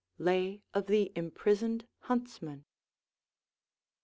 Lay of the Imprisoned Huntsman.